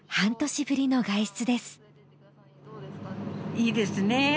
いいですね